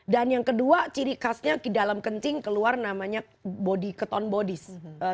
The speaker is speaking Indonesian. dan yang kedua ciri khasnya di dalam kencing keluar namanya body keton bodys